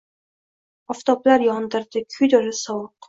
Oftoblar yondirdi, kuydirdi sovuq.